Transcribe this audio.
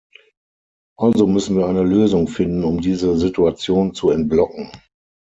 Also müssen wir eine Lösung finden, um diese Situation zu entblocken.